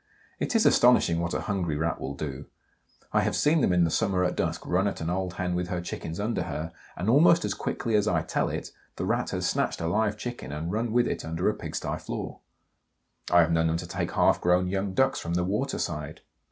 It is astonishing what a hungry Rat will do. I have seen them in the summer at dusk run at an old hen with her chickens under her, and almost as quick as I tell it, the Rat has snatched a live chicken and run with it under a pigsty floor. I have known them to take half grown young ducks from the water side.